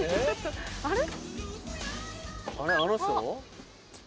あれ？